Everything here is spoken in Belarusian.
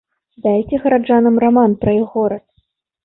Дайце гараджанам раман пра іх горад.